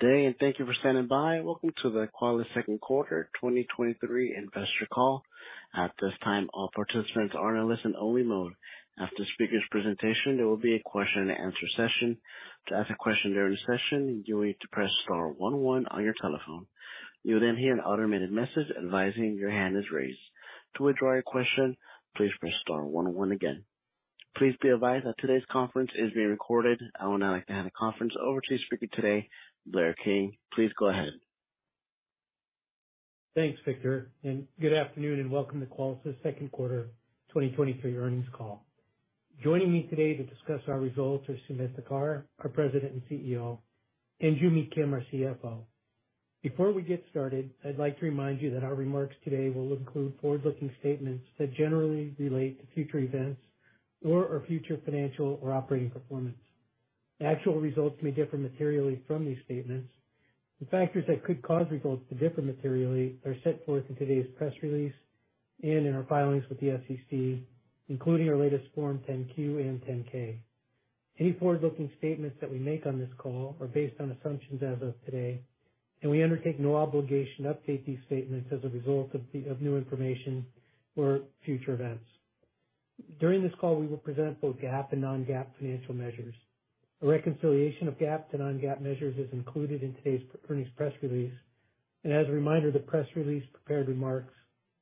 Good day, and thank you for standing by. Welcome to the Qualys second quarter 2023 investor call. At this time, all participants are in a listen-only mode. After the speaker's presentation, there will be a question-and-answer session. To ask a question during the session, you will need to press star one one on your telephone. You'll then hear an automated message advising your hand is raised. To withdraw your question, please press star one one again. Please be advised that today's conference is being recorded. I would now like to hand the conference over to your speaker today, Blair King. Please go ahead. Thanks, Victor, good afternoon, and welcome to Qualys' second quarter 2023 earnings call. Joining me today to discuss our results are Sumedh Thakar, our President and CEO, and Joo Mi Kim, our CFO. Before we get started, I'd like to remind you that our remarks today will include forward-looking statements that generally relate to future events or our future financial or operating performance. Actual results may differ materially from these statements, factors that could cause results to differ materially are set forth in today's press release and in our filings with the SEC, including our latest Form 10-Q and 10-K. Any forward-looking statements that we make on this call are based on assumptions as of today, we undertake no obligation to update these statements as a result of the new information or future events. During this call, we will present both GAAP and non-GAAP financial measures. A reconciliation of GAAP to non-GAAP measures is included in today's earnings press release. As a reminder, the press release, prepared remarks,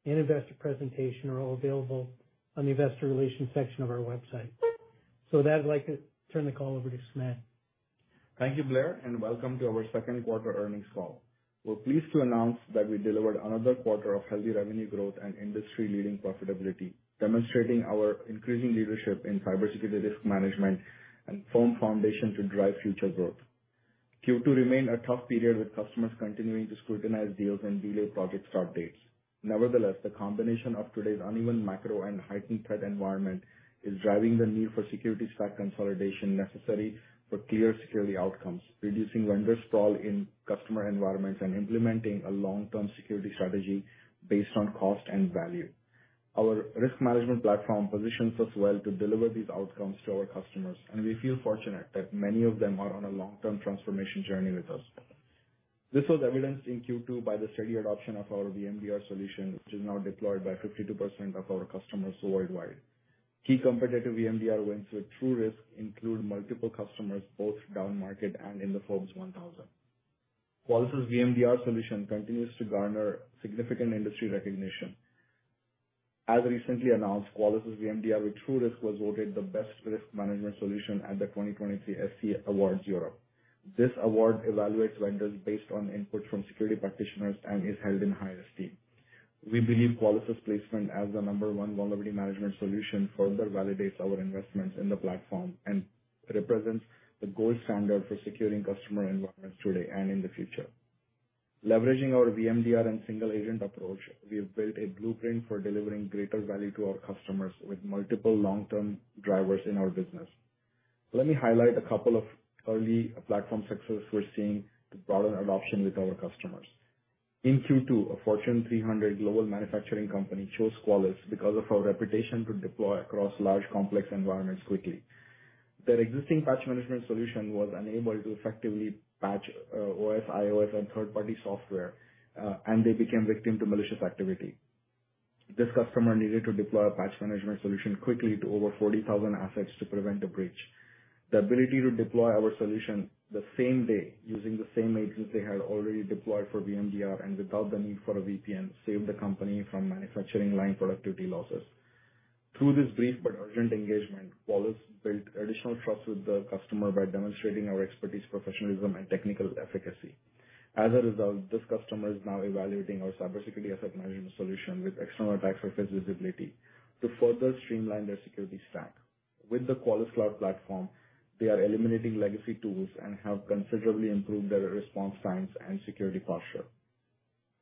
and investor presentation are all available on the investor relations section of our website. With that, I'd like to turn the call over to Sumedh. Thank you, Blair, and welcome to our second quarter earnings call. We're pleased to announce that we delivered another quarter of healthy revenue growth and industry-leading profitability, demonstrating our increasing leadership in cybersecurity risk management and firm foundation to drive future growth. Q2 remained a tough period, with customers continuing to scrutinize deals and delay project start dates. Nevertheless, the combination of today's uneven macro and heightened threat environment is driving the need for security stack consolidation necessary for clear security outcomes, reducing vendor sprawl in customer environments, and implementing a long-term security strategy based on cost and value. Our risk management platform positions us well to deliver these outcomes to our customers, and we feel fortunate that many of them are on a long-term transformation journey with us. This was evidenced in Q2 by the steady adoption of our VMDR solution, which is now deployed by 52% of our customers worldwide. Key competitive VMDR wins with TruRisk include multiple customers, both downmarket and in the Fortune 1,000. Qualys' VMDR solution continues to garner significant industry recognition. As recently announced, Qualys' VMDR with TruRisk was voted the best risk management solution at the 2023 SC Awards Europe. This award evaluates vendors based on input from security practitioners and is held in high esteem. We believe Qualys' placement as the number one vulnerability management solution further validates our investments in the platform and represents the gold standard for securing customer environments today and in the future. Leveraging our VMDR and single-agent approach, we have built a blueprint for delivering greater value to our customers with multiple long-term drivers in our business. Let me highlight a couple of early platform success we're seeing with broader adoption with our customers. In Q2, a Fortune 300 global manufacturing company chose Qualys because of our reputation to deploy across large, complex environments quickly. Their existing Patch Management solution was unable to effectively patch OS, iOS, and third-party software, and they became victim to malicious activity. This customer needed to deploy a Patch Management solution quickly to over 40,000 assets to prevent a breach. The ability to deploy our solution the same day, using the same agents they had already deployed for VMDR and without the need for a VPN, saved the company from manufacturing line productivity losses. Through this brief but urgent engagement, Qualys built additional trust with the customer by demonstrating our expertise, professionalism, and technical efficacy. As a result, this customer is now evaluating our CyberSecurity Asset Management solution with External Attack Surface visibility to further streamline their security stack. With the Qualys Cloud platform, they are eliminating legacy tools and have considerably improved their response times and security posture.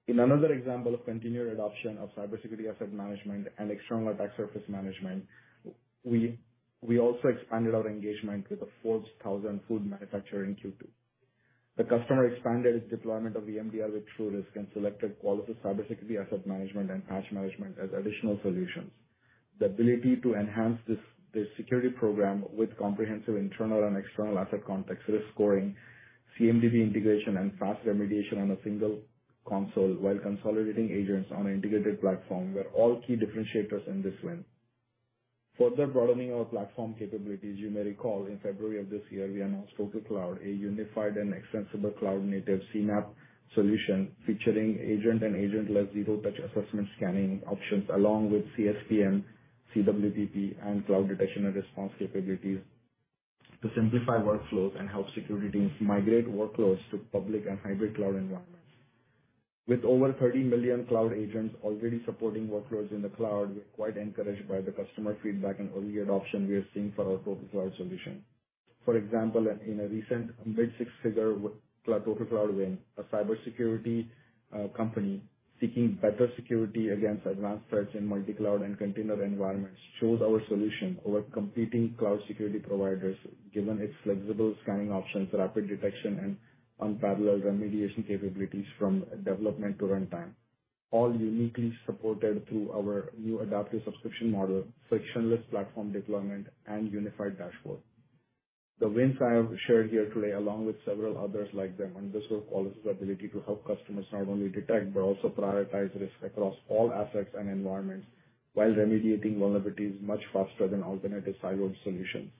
In another example of continued adoption of CyberSecurity Asset Management and External Attack Surface Management, we also expanded our engagement with a Forbes Thousand food manufacturer in Q2. The customer expanded its deployment of VMDR with TruRisk and selected Qualys' CyberSecurity Asset Management and Patch Management as additional solutions. The ability to enhance this security program with comprehensive internal and external asset context, risk scoring, CMDB integration, and fast remediation on a single console while consolidating agents on an integrated platform were all key differentiators in this win. Further broadening our platform capabilities, you may recall in February of this year, we announced TotalCloud, a unified and extensible cloud-native CNAPP solution, featuring agent and agentless zero-touch assessment scanning options, along with CSPM, CWPP, and cloud detection and response capabilities to simplify workflows and help security teams migrate workloads to public and hybrid cloud environments. With over 30 million cloud agents already supporting workloads in the cloud, we're quite encouraged by the customer feedback and early adoption we are seeing for our TotalCloud solution. For example, in a recent mid-six-figure TotalCloud win, a cybersecurity company seeking better security against advanced threats in multi-cloud and container environments chose our solution over competing cloud security providers, given its flexible scanning options, rapid detection, and unparalleled remediation capabilities from development to runtime.... all uniquely supported through our new Adaptive Subscription Model, frictionless platform deployment, and unified dashboard. The wins I have shared here today, along with several others like them, underscore Qualys' ability to help customers not only detect but also prioritize risk across all assets and environments, while remediating vulnerabilities much faster than alternative siloed solutions.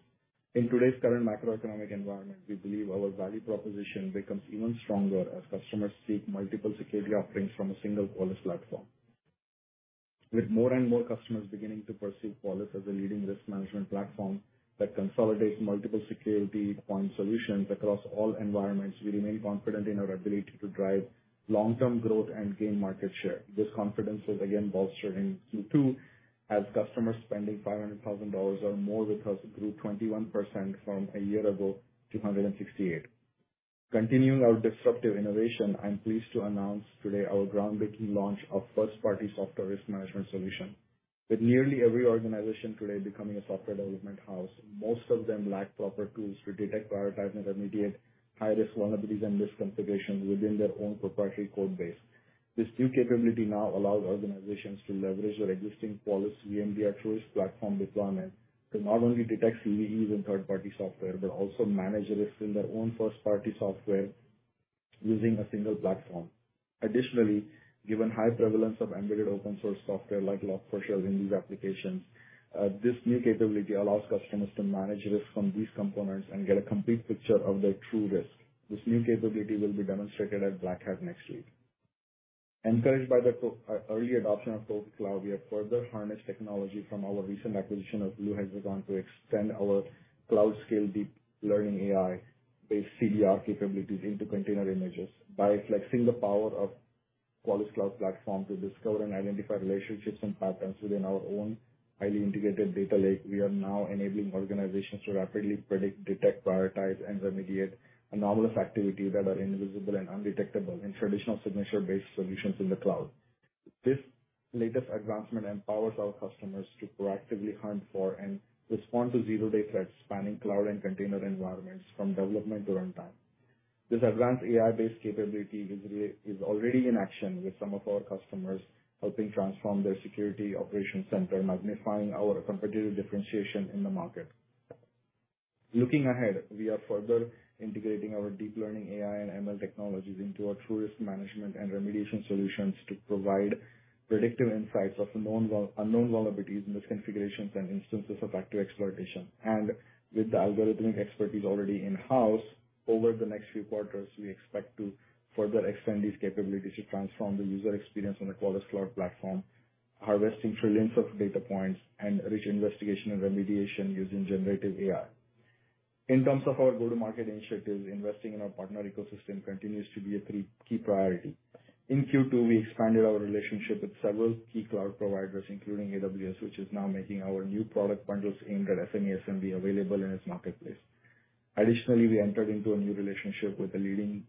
In today's current macroeconomic environment, we believe our value proposition becomes even stronger as customers seek multiple security offerings from a single Qualys platform. With more and more customers beginning to perceive Qualys as a leading risk management platform that consolidates multiple security point solutions across all environments, we remain confident in our ability to drive long-term growth and gain market share. This confidence was again bolstered in Q2 as customer spending $500,000 or more with us grew 21% from a year ago to 168. Continuing our disruptive innovation, I'm pleased to announce today our groundbreaking launch of First-Party Software Risk Management solution. With nearly every organization today becoming a software development house, most of them lack proper tools to detect, prioritize, and remediate high-risk vulnerabilities and misconfigurations within their own proprietary code base. This new capability now allows organizations to leverage their existing Qualys VMv3 platform deployment to not only detect CVEs in third-party software, but also manage risk in their own first-party software using a single platform. Additionally, given high prevalence of embedded open source software like Log4Shell in these applications, this new capability allows customers to manage risk from these components and get a complete picture of their True Risk. This new capability will be demonstrated at Black Hat next week. Encouraged by the early adoption of Qualys Cloud, we have further harnessed technology from our recent acquisition of Blue Hexagon to extend our cloud scale deep learning AI-based CBR capabilities into container images. By flexing the power of Qualys Cloud platform to discover and identify relationships and patterns within our own highly integrated data lake, we are now enabling organizations to rapidly predict, detect, prioritize, and remediate anomalous activity that are invisible and undetectable in traditional signature-based solutions in the cloud. This latest advancement empowers our customers to proactively hunt for and respond to zero-day threats spanning cloud and container environments from development to runtime. This advanced AI-based capability is already in action with some of our customers, helping transform their security operations center, magnifying our competitive differentiation in the market. Looking ahead, we are further integrating our deep learning AI and ML technologies into our TruRisk Management and remediation solutions to provide predictive insights of known unknown vulnerabilities, misconfigurations, and instances of active exploitation. With the algorithmic expertise already in-house, over the next few quarters, we expect to further extend these capabilities to transform the user experience on the Qualys Cloud platform, harvesting trillions of data points and rich investigation and remediation using generative AI. In terms of our go-to-market initiatives, investing in our partner ecosystem continues to be a 3-key priority. In Q2, we expanded our relationship with several key cloud providers, including AWS, which is now making our new product bundles aimed at SME and SMB available in its marketplace. Additionally, we entered into a new relationship with a leading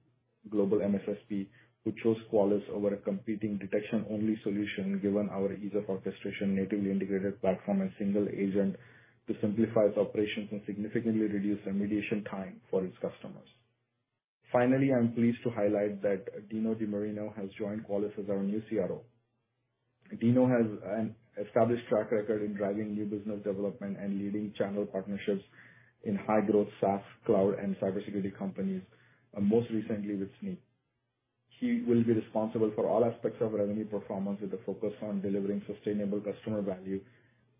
global MSSP, who chose Qualys over a competing detection-only solution, given our ease of orchestration, natively integrated platform, and single agent to simplify its operations and significantly reduce remediation time for its customers. Finally, I'm pleased to highlight that Dino DiMarino has joined Qualys as our new CRO. Dino has an established track record in driving new business development and leading channel partnerships in high-growth SaaS, cloud, and cybersecurity companies, most recently with Snyk. He will be responsible for all aspects of revenue performance, with a focus on delivering sustainable customer value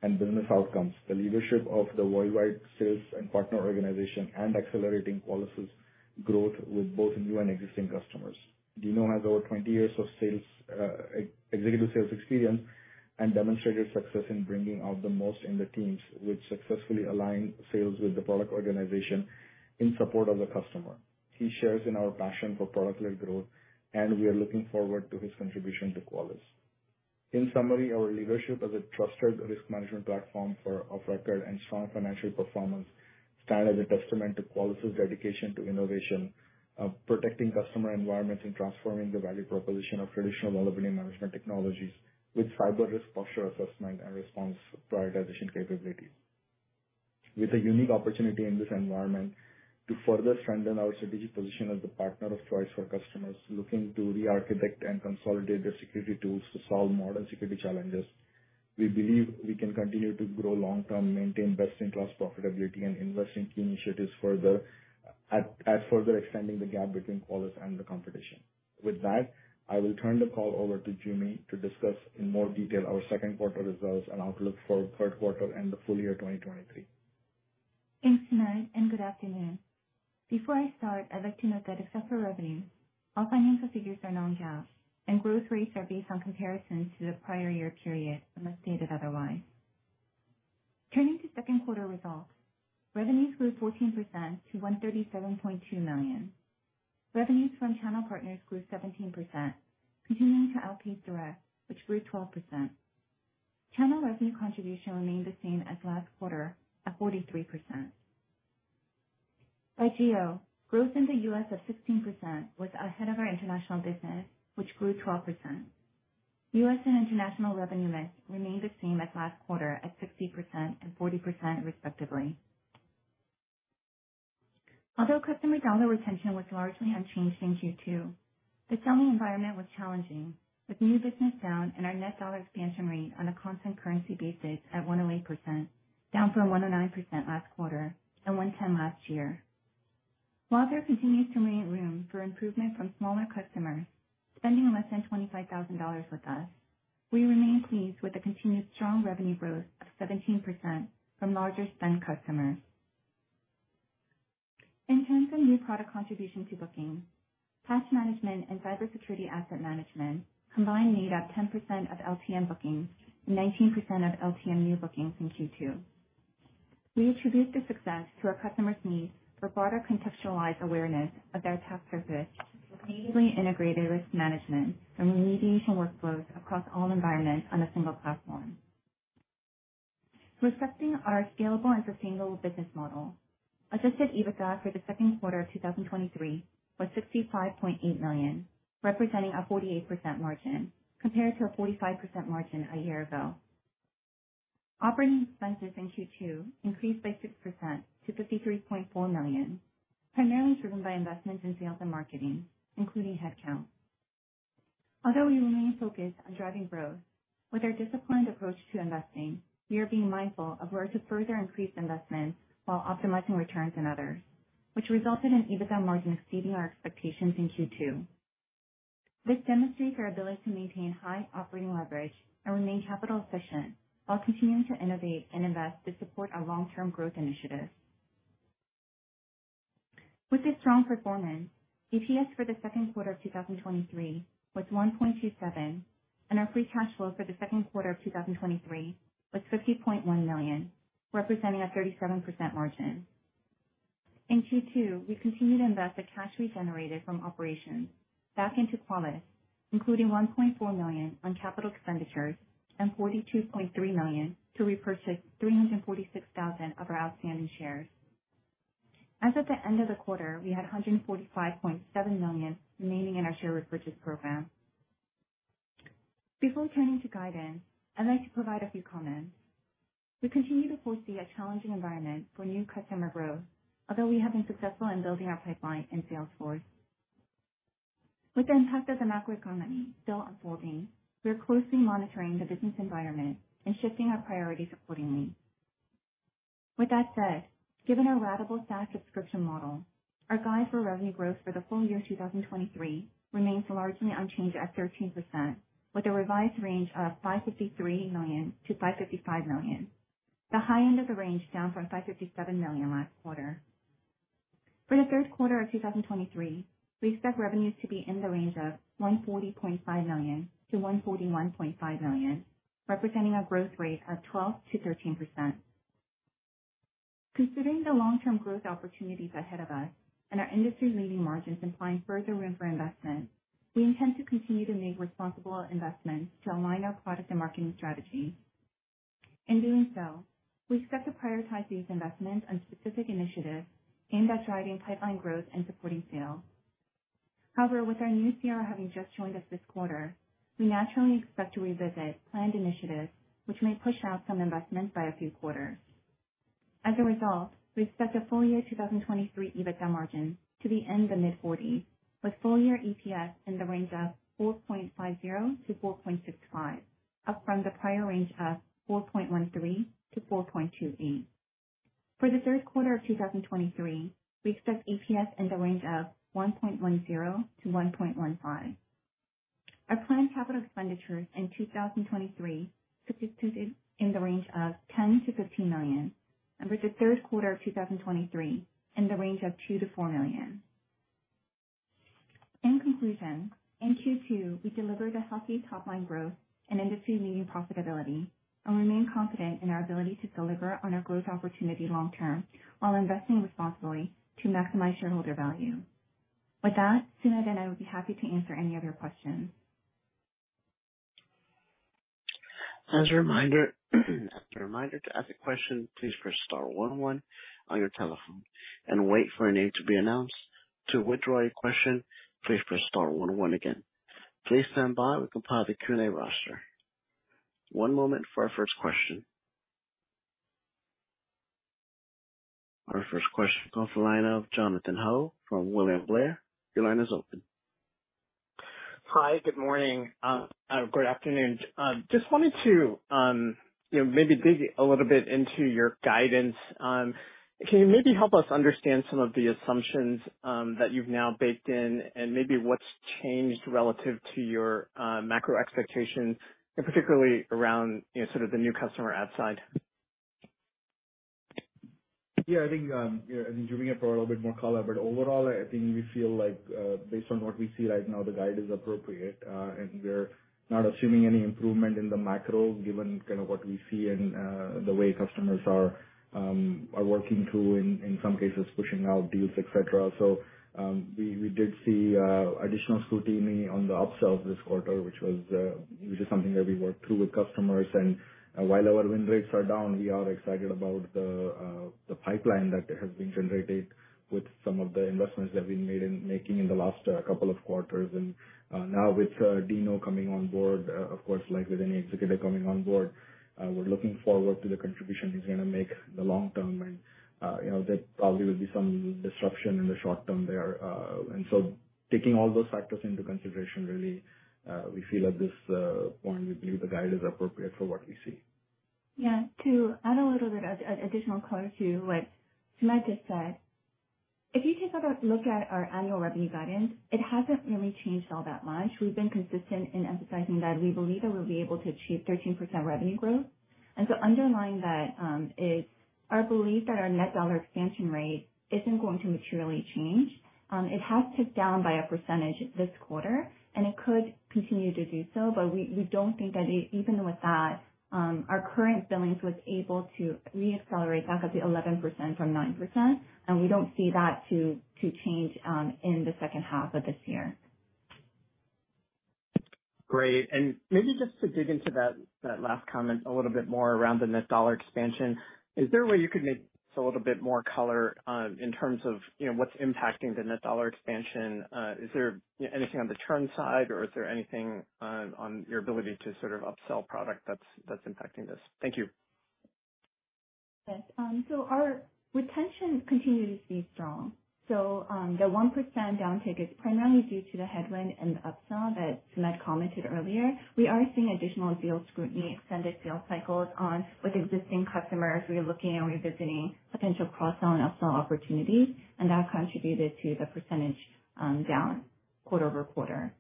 and business outcomes, the leadership of the worldwide sales and partner organization, and accelerating Qualys' growth with both new and existing customers. Dino has over 20 years of sales executive sales experience and demonstrated success in bringing out the most in the teams, which successfully align sales with the product organization in support of the customer. He shares in our passion for product-led growth, and we are looking forward to his contribution to Qualys. In summary, our leadership as a trusted risk management platform for of record and strong financial performance stand as a testament to Qualys' dedication to innovation, of protecting customer environments, and transforming the value proposition of traditional vulnerability management technologies with cyber risk posture assessment and response prioritization capabilities. With a unique opportunity in this environment to further strengthen our strategic position as the partner of choice for customers looking to re-architect and consolidate their security tools to solve modern security challenges, we believe we can continue to grow long-term, maintain best-in-class profitability, and invest in key initiatives further extending the gap between Qualys and the competition. I will turn the call over to Joo Mi to discuss in more detail our second quarter results and outlook for third quarter and the full year 2023. Thanks, Sumedh. Good afternoon. Before I start, I'd like to note that except for revenue, our financial figures are non-GAAP and growth rates are based on comparisons to the prior year period, unless stated otherwise. Turning to second quarter results, revenues grew 14% to $137.2 million. Revenues from channel partners grew 17%, continuing to outpace direct, which grew 12%. Channel revenue contribution remained the same as last quarter at 43%. By geo, growth in the U.S. of 16% was ahead of our international business, which grew 12%. U.S. and international revenue mix remained the same as last quarter, at 60% and 40%, respectively.... Although customer dollar retention was largely unchanged in Q2, the selling environment was challenging, with new business down and our net dollar expansion rate on a constant currency basis at 108%, down from 109% last quarter and 110% last year. While there continues to remain room for improvement from smaller customers spending less than $25,000 with us, we remain pleased with the continued strong revenue growth of 17% from larger spend customers. In terms of new product contribution to bookings, task management and CyberSecurity Asset Management combined made up 10% of LTM bookings and 19% of LTM new bookings in Q2. We attribute the success to our customers' needs for broader contextualized awareness of their task service with natively integrated risk management and remediation workflows across all environments on a single platform. Reflecting our scalable and sustainable business model, adjusted EBITDA for the second quarter of 2023 was $65.8 million, representing a 48% margin compared to a 45% margin a year ago. Operating expenses in Q2 increased by 6% to $53.4 million, primarily driven by investments in sales and marketing, including headcount. Although we remain focused on driving growth, with our disciplined approach to investing, we are being mindful of where to further increase investments while optimizing returns in others, which resulted in EBITDA margin exceeding our expectations in Q2. This demonstrates our ability to maintain high operating leverage and remain capital efficient while continuing to innovate and invest to support our long-term growth initiatives. With this strong performance, EPS for the second quarter of 2023 was $1.27, and our free cash flow for the second quarter of 2023 was $50.1 million, representing a 37% margin. In Q2, we continued to invest the cash we generated from operations back into Qualys, including $1.4 million on capital expenditures and $42.3 million to repurchase 346,000 of our outstanding shares. As at the end of the quarter, we had $145.7 million remaining in our share repurchase program. Before turning to guidance, I'd like to provide a few comments. We continue to foresee a challenging environment for new customer growth, although we have been successful in building our pipeline in Salesforce. With the impact of the macroeconomy still unfolding, we are closely monitoring the business environment and shifting our priorities accordingly. With that said, given our ratable SaaS subscription model, our guide for revenue growth for the full year 2023 remains largely unchanged at 13%, with a revised range of $553 million-$555 million. The high end of the range, down from $557 million last quarter. For the third quarter of 2023, we expect revenue to be in the range of $140.5 million-$141.5 million, representing a growth rate of 12%-13%. Considering the long-term growth opportunities ahead of us and our industry-leading margins implying further room for investment, we intend to continue to make responsible investments to align our product and marketing strategy. In doing so, we expect to prioritize these investments on specific initiatives aimed at driving pipeline growth and supporting sales. With our new CRO having just joined us this quarter, we naturally expect to revisit planned initiatives, which may push out some investments by a few quarters. We expect the full year 2023 EBITDA margin to be in the mid-40s, with full year EPS in the range of $4.50-$4.65, up from the prior range of $4.13-$4.28. For the third quarter of 2023, we expect EPS in the range of $1.10-$1.15. Our planned capital expenditures in 2023 in the range of $10 million-$15 million, and with the third quarter of 2023 in the range of $2 million-$4 million. In conclusion, in Q2, we delivered a healthy top-line growth and industry-leading profitability and remain confident in our ability to deliver on our growth opportunity long term, while investing responsibly to maximize shareholder value. With that, Sumedh and I would be happy to answer any of your questions. As a reminder, to ask a question, please press star one one on your telephone and wait for your name to be announced. To withdraw your question, please press star one one again. Please stand by. We compile the Q&A roster. One moment for our first question. Our first question is off the line of Jonathan Ho from William Blair. Your line is open. Hi, good morning, good afternoon. Just wanted to, you know, maybe dig a little bit into your guidance. Can you maybe help us understand some of the assumptions that you've now baked in, and maybe what's changed relative to your macro expectations, and particularly around, you know, sort of the new customer add side? Yeah, I think, I think Joo Mi can provide a little bit more color, but overall, I think we feel like, based on what we see right now, the guide is appropriate, and we're not assuming any improvement in the macro given kind of what we see and, the way customers are, are working through and, in some cases, pushing out deals, et cetera. We did see additional scrutiny on the upsell this quarter, which was, which is something that we worked through with customers. While our win rates are down, we are excited about the pipeline that has been generated with some of the investments that we made in -- making in the last couple of quarters. Now with Dino coming on board, of course, like with any executive coming on board, we're looking forward to the contribution he's gonna make in the long term. You know, there probably will be some disruption in the short term there. Taking all those factors into consideration, really, we feel at this point, we believe the guide is appropriate for what we see. Yeah. To add a little bit of additional color to what Sumedh just said. If you take a look at our annual revenue guidance, it hasn't really changed all that much. We've been consistent in emphasizing that we believe that we'll be able to achieve 13% revenue growth. Underlying that, is our belief that our net dollar expansion rate isn't going to materially change. It has ticked down by a percentage this quarter. It could continue to do so. We, we don't think that even with that, our current billings was able to reaccelerate back up to 11% from 9%. We don't see that to change in the second half of this year. Great. maybe just to dig into that, that last comment a little bit more around the net dollar expansion, is there a way you could make just a little bit more color, in terms of, you know, what's impacting the net dollar expansion? Is there anything on the churn side, or is there anything, on your ability to sort of upsell product that's, that's impacting this? Thank you. Yes. Our retention continues to be strong. The 1% downtick is primarily due to the headwind and the upsell that Sumedh commented earlier. We are seeing additional deal scrutiny, extended deal cycles on with existing customers. We are looking and revisiting potential cross-sell and upsell opportunities, and that contributed to the percentage down quarter-over-quarter.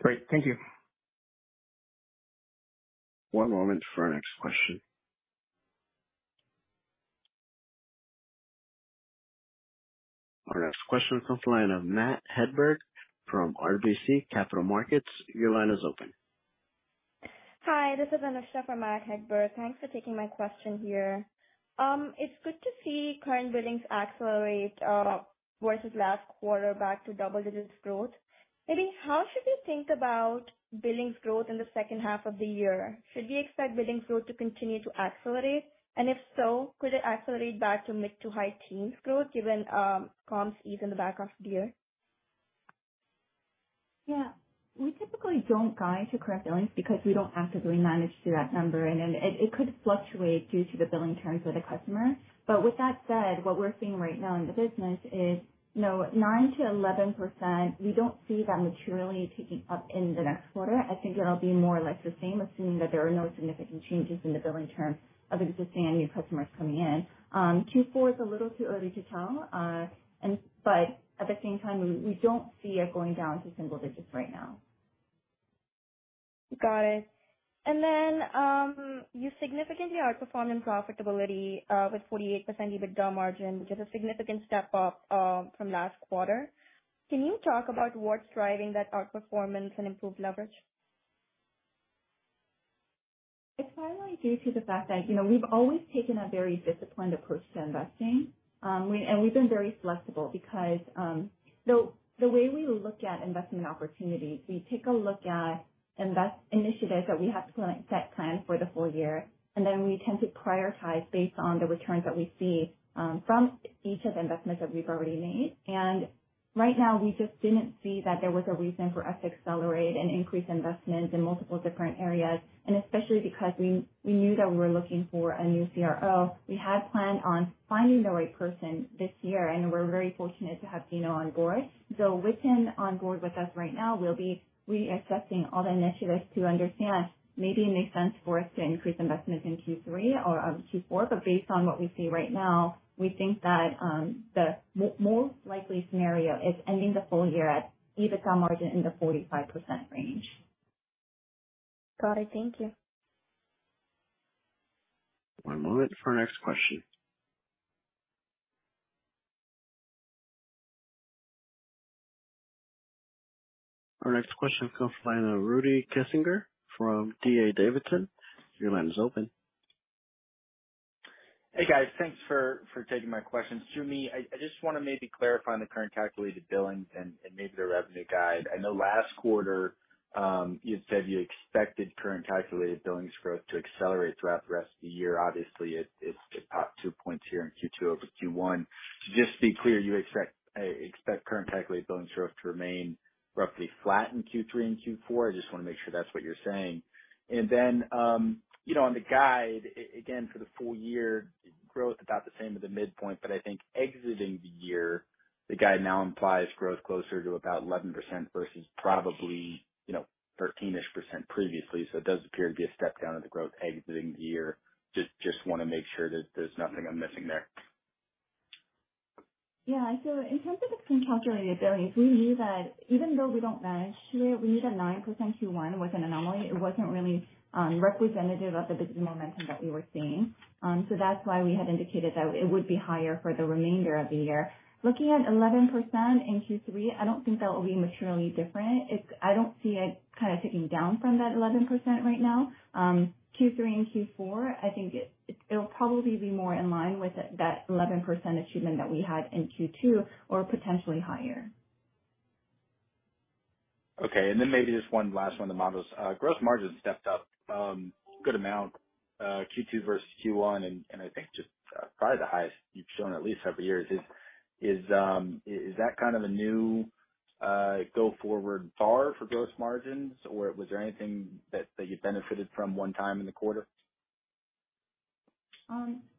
Great. Thank you. One moment for our next question. Our next question comes from the line of Matt Hedberg from RBC Capital Markets. Your line is open. Hi, this is Anusha for Matt Hedberg. Thanks for taking my question here. It's good to see current billings accelerate, versus last quarter back to double digits growth. Maybe how should we think about billings growth in the second half of the year? Should we expect billings growth to continue to accelerate? If so, could it accelerate back to mid to high teens growth, given, comms ease in the back half of the year? Yeah. We typically don't guide to correct billings because we don't actively manage to that number, and then it, it could fluctuate due to the billing terms of the customer. With that said, what we're seeing right now in the business is, you know, 9%-11%, we don't see that materially ticking up in the next quarter. I think it'll be more like the same, assuming that there are no significant changes in the billing terms of existing and new customers coming in. Q4 is a little too early to tell, and but at the same time, we, we don't see it going down to single digits right now. Got it. You significantly outperformed in profitability, with 48% EBITDA margin, which is a significant step up, from last quarter. Can you talk about what's driving that outperformance and improved leverage? It's primarily due to the fact that, you know, we've always taken a very disciplined approach to investing. We've been very flexible because, the, the way we look at investment opportunities, we take a look at invest initiatives that we have set planned for the full year, and then we tend to prioritize based on the returns that we see, from each of the investments that we've already made. Right now, we just didn't see that there was a reason for us to accelerate and increase investments in multiple different areas, and especially because we, we knew that we were looking for a new CRO. We had planned on finding the right person this year, and we're very fortunate to have Dino on board. With him on board with us right now, we'll be reassessing all the initiatives to understand maybe it makes sense for us to increase investments in Q3 or Q4. Based on what we see right now, we think that the most likely scenario is ending the full year at EBITDA margin in the 45% range. Got it. Thank you. One moment for our next question. Our next question comes from the line of Rudy Kessinger from D.A. Davidson. Your line is open. Hey, guys. Thanks for, for taking my questions. Joo Mi, I, I just wanna maybe clarify on the current calculated billings and, and maybe the revenue guide. I know last quarter, you had said you expected current calculated billings growth to accelerate throughout the rest of the year. Obviously, it, it's, it popped 2 points here in Q2 over Q1. Just to be clear, you expect current calculated billing growth to remain roughly flat in Q3 and Q4? I just wanna make sure that's what you're saying. you know, on the guide, again, for the full year, growth about the same at the midpoint, but I think exiting the year, the guide now implies growth closer to about 11% versus probably, you know, 13-ish % previously. it does appear to be a step down in the growth exiting the year. Just wanna make sure that there's nothing I'm missing there. Yeah. So in terms of the Calculated Billings, we knew that even though we don't manage it, we knew the 9% Q1 was an anomaly. It wasn't really representative of the business momentum that we were seeing. So that's why we had indicated that it would be higher for the remainder of the year. Looking at 11% in Q3, I don't think that will be materially different. I don't see it kind of ticking down from that 11% right now. Q3 and Q4, I think it'll probably be more in line with that, that 11% achievement that we had in Q2, or potentially higher. Okay, maybe just one last one on the models. Gross margin stepped up, good amount, Q2 versus Q1, and I think just, probably the highest you've shown at least several years. Is that kind of a new go-forward bar for gross margins, or was there anything that you benefited from one time in the quarter?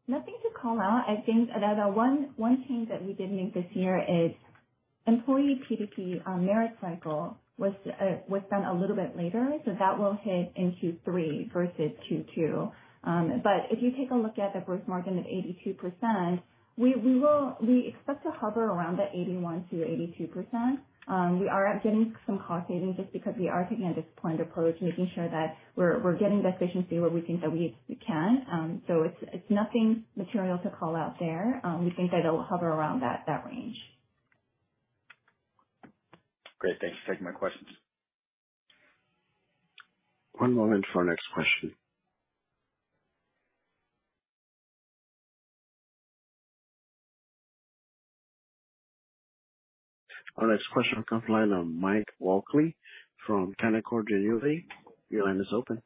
Nothing to call out. I think that one, one change that we did make this year is employee PDP merit cycle was done a little bit later, so that will hit in Q3 versus Q2. If you take a look at the gross margin at 82%, we expect to hover around the 81%-82%. We are getting some cost savings just because we are taking a disciplined approach, making sure that we're getting the efficiency where we think that we can. It's nothing material to call out there. We think that it'll hover around that range. Great. Thanks for taking my questions. One moment for our next question. Our next question from the line of Mike Walkley from Canaccord Genuity. Your line is open.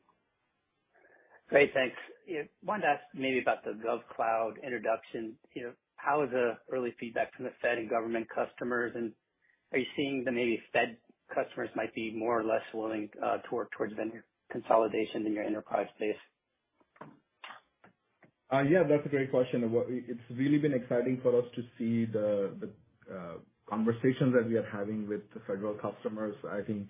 Great, thanks. Wanted to ask maybe about the GovCloud introduction. You know, how is the early feedback from the Fed and government customers, and are you seeing that maybe Fed customers might be more or less willing to work towards vendor consolidation in your enterprise space? Yeah, that's a great question. It's really been exciting for us to see the, the conversations that we are having with the federal customers. I think,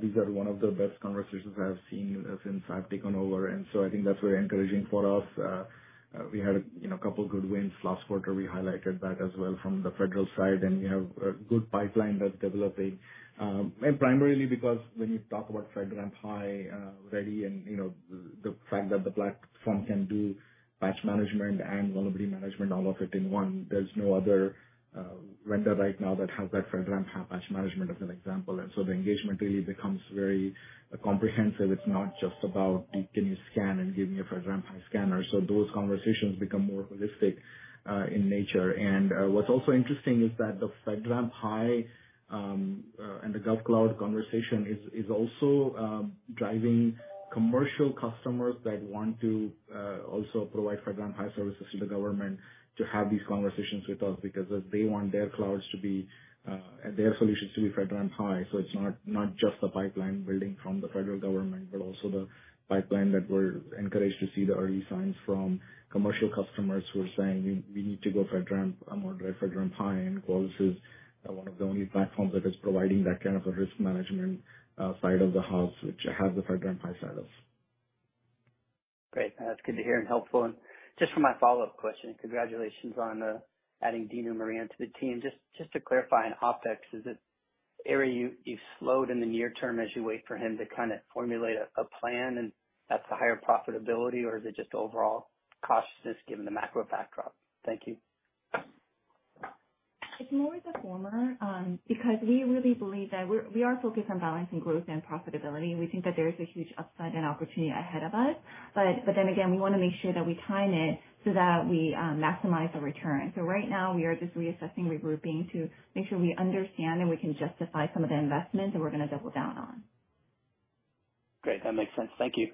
these are one of the best conversations I have seen since I've taken over, and so I think that's very encouraging for us. We had, you know, a couple good wins last quarter. We highlighted that as well from the federal side, and we have a good pipeline that's developing. Primarily because when you talk about FedRAMP High ready and, you know, the fact that the platform can do batch management and vulnerability management, all of it in one, there's no other vendor right now that has that FedRAMP High batch management, as an example. So the engagement really becomes very comprehensive. It's not just about, "Can you scan and give me a FedRAMP High scanner?" Those conversations become more holistic in nature. What's also interesting is that the FedRAMP High and the GovCloud conversation is also driving commercial customers that want to also provide FedRAMP High services to the government to have these conversations with us. Because they want their clouds to be their solutions to be FedRAMP High. It's not, not just the pipeline building from the federal government, but also the pipeline that we're encouraged to see the early signs from commercial customers who are saying, "We, we need to go FedRAMP or go FedRAMP High," and Qualys is one of the only platforms that is providing that kind of a risk management side of the house, which has the FedRAMP High side of. Great. That's good to hear and helpful. Just for my follow-up question, congratulations on adding Dino DiMarino to the team. Just, just to clarify on OpEx, is it area you, you've slowed in the near term as you wait for him to kind of formulate a, a plan, and that's the higher profitability, or is it just overall cautiousness given the macro backdrop? Thank you. It's more the former, because we really believe that We are focused on balancing growth and profitability, and we think that there is a huge upside and opportunity ahead of us. But then again, we wanna make sure that we time it so that we maximize the return. Right now we are just reassessing, regrouping to make sure we understand and we can justify some of the investments that we're gonna double down on. Great, that makes sense. Thank you.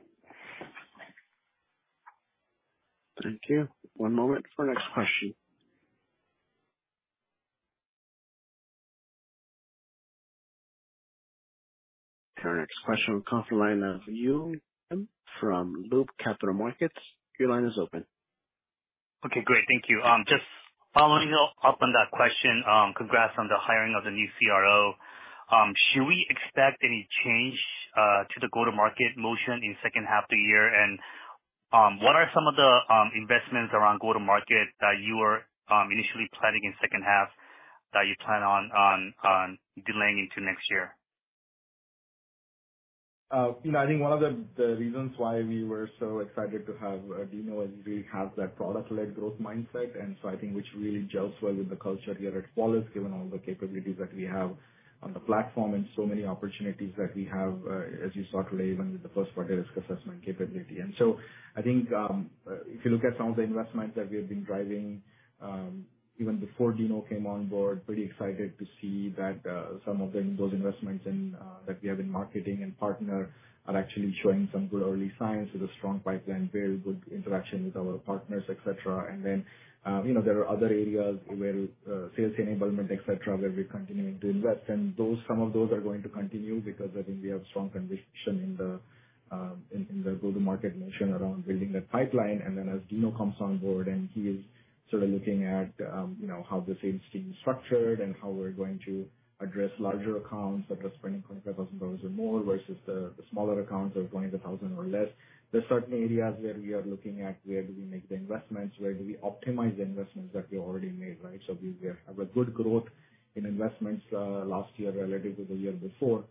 Thank you. One moment for the next question. Our next question, come from the line of Yun from Loop Capital Markets. Your line is open. Okay, great. Thank you. Just following up on that question, congrats on the hiring of the new CRO. Should we expect any change to the go-to-market motion in second half of the year? What are some of the investments around go-to-market that you are initially planning in second half, that you plan on, on, on delaying into next year? You know, I think one of the, the reasons why we were so excited to have Dino is we have that product-led growth mindset, and so I think which really gels well with the culture here at Qualys, given all the capabilities that we have on the platform and so many opportunities that we have, as you saw today, even with the first party risk assessment capability. I think, if you look at some of the investments that we have been driving, even before Dino came on board, pretty excited to see that, some of them, those investments in, that we have in marketing and partner are actually showing some good early signs with a strong pipeline, very good interaction with our partners, et cetera. You know, there are other areas where sales enablement, et cetera, where we're continuing to invest. Those, some of those are going to continue because I think we have strong conviction in the, in, in the go-to-market motion around building that pipeline. As Dino comes on board and he is sort of looking at, you know, how the sales team is structured and how we're going to address larger accounts that are spending $25,000 or more versus the, the smaller accounts of $20,000 or less. There are certain areas where we are looking at where do we make the investments? Where do we optimize the investments that we already made, right? We, we have a good growth in investments last year relative to the year before.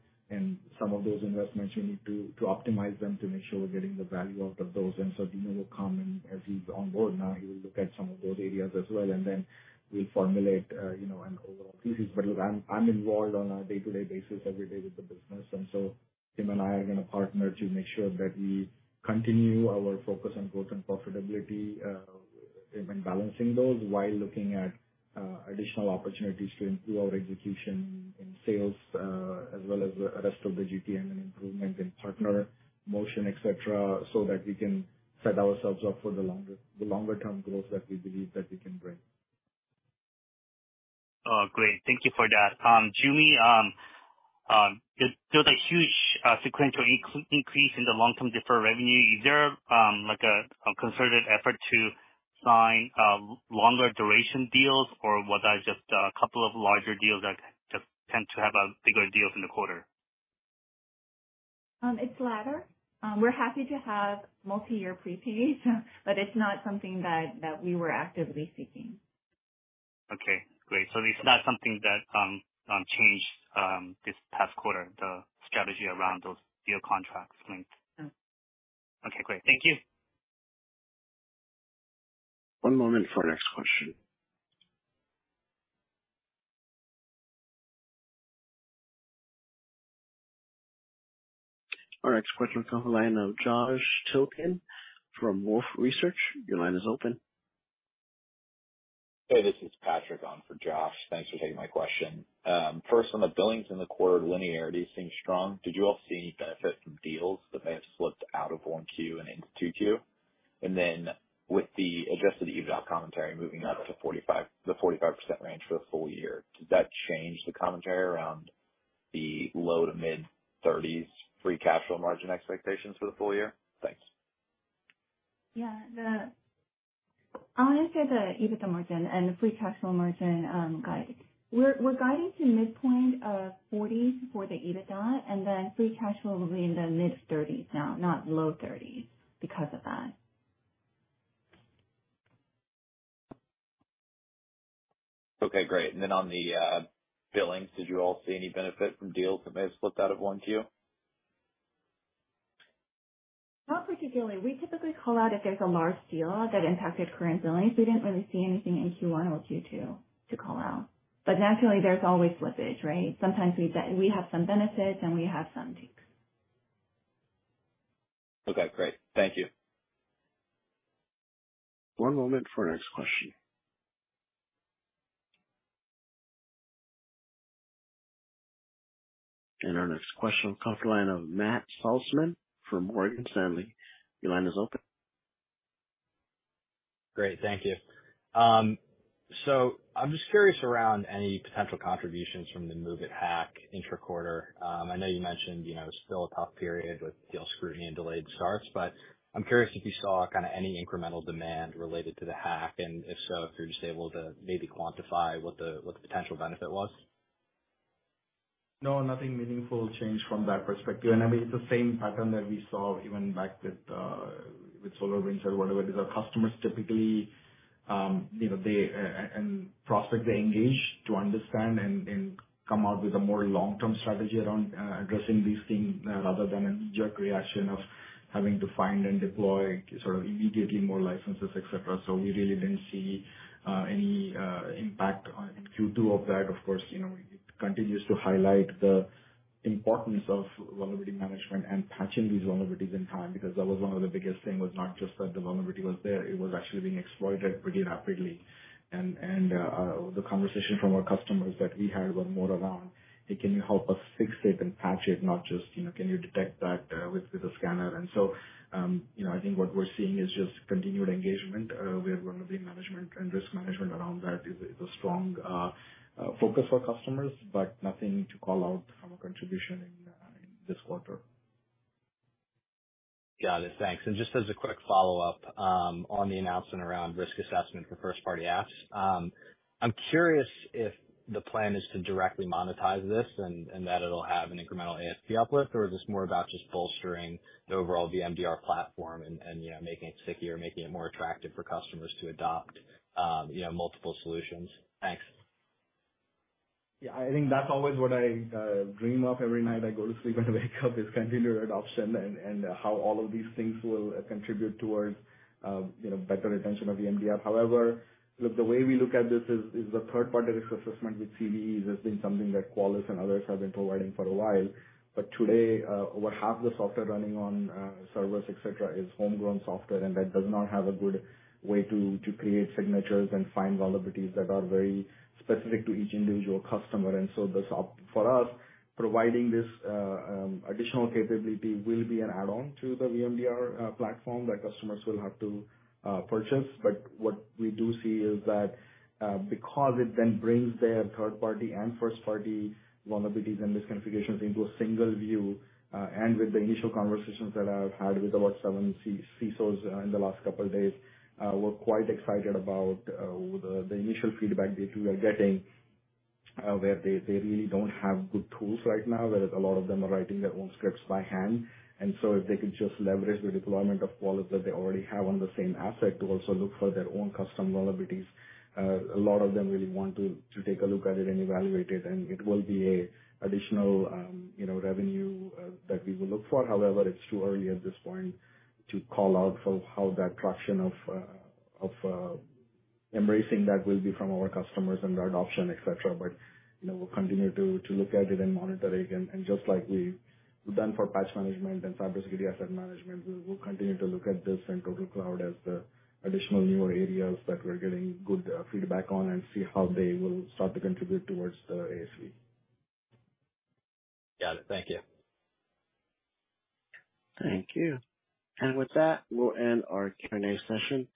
Some of those investments, we need to, to optimize them to make sure we're getting the value out of those. Dino will come and as he's on board now, he will look at some of those areas as well, and then we'll formulate, you know, an overall thesis. I'm, I'm involved on a day-to-day basis, every day with the business, and so him and I are gonna partner to make sure that we continue our focus on growth and profitability, and, and balancing those while looking at additional opportunities to improve our execution in sales, as well as the rest of the GTM and improvement in partner motion, et cetera, so that we can set ourselves up for the longer, the longer term growth that we believe that we can bring. Oh, great. Thank you for that. Joo Mi, there, there was a huge sequential increase in the long-term deferred revenue. Is there, like a concerted effort to sign longer duration deals? Or was that just a couple of larger deals that just tend to have bigger deals in the quarter? It's latter. We're happy to have multi-year prepays, but it's not something that, that we were actively seeking. Okay, great. It's not something that changed this past quarter, the strategy around those deal contracts length? No. Okay, great. Thank you. One moment for our next question. Our next question comes from the line of Joshua Tilton from Wolfe Research. Your line is open. Hey, this is Patrick on for Josh. Thanks for taking my question. First, on the billings in the quarter, linearity seems strong. Did you all see any benefit from deals that may have slipped out of 1Q and into 2Q? Then with the adjusted EBITDA commentary moving up to 45%, the 45% range for the full year, does that change the commentary around the low to mid-30s% free cash flow margin expectations for the full year? Thanks. Yeah. I'll answer the EBITDA margin and the free cash flow margin guide. We're guiding to midpoint of 40% for the EBITDA, and then free cash flow will be in the mid-30s% now, not low-30s% because of that. Okay, great. Then on the billings, did you all see any benefit from deals that may have slipped out of 1Q? Not particularly. We typically call out if there's a large deal that impacted current billings. We didn't really see anything in Q1 or Q2 to call out, but naturally, there's always slippage, right? Sometimes we have some benefits, and we have some takes. Okay, great. Thank you. One moment for our next question. Our next question comes line of Matt Saltzman from Morgan Stanley. Your line is open. Great. Thank you. I'm just curious around any potential contributions from the MOVEit hack inter quarter. I know you mentioned, you know, it's still a tough period with deal scrutiny and delayed starts, but I'm curious if you saw kind of any incremental demand related to the hack, and if so, if you're just able to maybe quantify what the, what the potential benefit was. No, nothing meaningful changed from that perspective. I mean, it's the same pattern that we saw even back with SolarWinds or whatever it is. Our customers typically, you know, they and prospect, they engage to understand and come out with a more long-term strategy around addressing these things rather than an immediate reaction of having to find and deploy sort of immediately more licenses, et cetera. We really didn't see any impact on Q2 of that. Of course, you know, it continues to highlight the importance of vulnerability management and patching these vulnerabilities in time, because that was one of the biggest thing, was not just that the vulnerability was there, it was actually being exploited pretty rapidly. The conversation from our customers that we had was more around: Hey, can you help us fix it and patch it, not just, you know, can you detect that with a scanner? You know, I think what we're seeing is just continued engagement, where vulnerability management and risk management around that is a strong focus for customers, but nothing to call out from a contribution in this quarter. Got it. Thanks. Just as a quick follow-up, on the announcement around risk assessment for first-party apps, I'm curious if the plan is to directly monetize this and, and that it'll have an incremental ASP uplift, or is this more about just bolstering the overall VMDR platform and, and, you know, making it stickier, making it more attractive for customers to adopt, you know, multiple solutions? Thanks. Yeah, I think that's always what I dream of every night I go to sleep and wake up, is continued adoption and, and how all of these things will contribute towards, you know, better retention of VMDR. Look, the way we look at this is, is the third party risk assessment with CVEs has been something that Qualys and others have been providing for a while. Today, over half the software running on servers, et cetera, is homegrown software, and that does not have a good way to, to create signatures and find vulnerabilities that are very specific to each individual customer. So for us, providing this additional capability will be an add-on to the VMDR platform that customers will have to purchase. What we do see is that, because it then brings their third-party and first-party vulnerabilities and misconfigurations into a single view, and with the initial conversations that I've had with about seven CISOs in the last couple of days, we're quite excited about the initial feedback that we are getting, where they, they really don't have good tools right now, where a lot of them are writing their own scripts by hand. If they could just leverage the deployment of Qualys that they already have on the same asset to also look for their own custom vulnerabilities, a lot of them really want to, to take a look at it and evaluate it, and it will be a additional, you know, revenue, that we will look for. It's too early at this point to call out for how that traction of, of embracing that will be from our customers and the adoption, et cetera. You know, we'll continue to, to look at it and monitor it. Just like we've done for Patch Management and CyberSecurity Asset Management, we will continue to look at this and Total Cloud as the additional newer areas that we're getting good feedback on and see how they will start to contribute towards the ASE. Got it. Thank you. Thank you. With that, we'll end our Q&A session.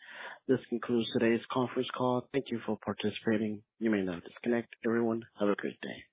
This concludes today's conference call. Thank you for participating. You may now disconnect. Everyone, have a great day.